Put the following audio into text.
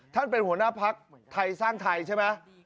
ท่านเป็นหัวหน้าพักไทยสร้างไทยใช่ไหม